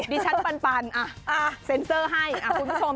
ดิฉันปันเซ็นเซอร์ให้คุณผู้ชม